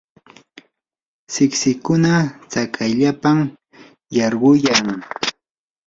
siksikuna tsakayllapam yarquyan.